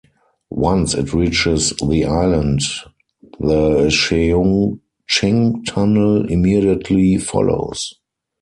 Once it reaches the island, the Cheung Ching Tunnel immediately follows.